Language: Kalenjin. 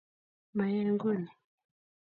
Mayae guni